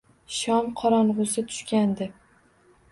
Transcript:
Shom qorong‘usi tushgandi.